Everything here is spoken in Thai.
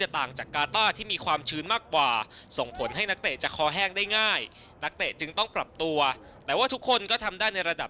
ไทยล่ะเชื่อไทยล่ะ